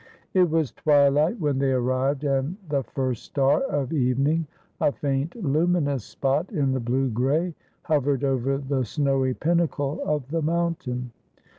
It was twilight when they arrived, and the first star of even ing, a faint luminous spot in the blue gray, hovered over the snowy pinnacle of the mountain.